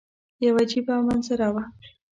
یوه عجیبه منظره وه.